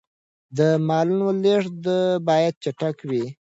د مالونو لېږد باید چټک وي.